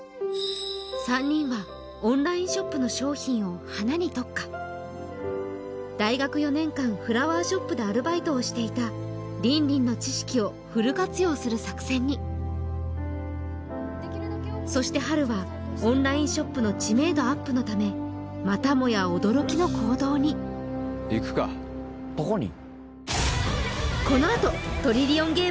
３人はオンラインショップの商品を花に特化大学４年間フラワーショップでアルバイトをしていた凜々の知識をフル活用する作戦にそしてハルはオンラインショップの知名度アップのためまたもや驚きの行動にいくかどこに？